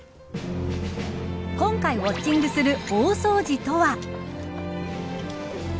今回ウォッチングする大掃除とは。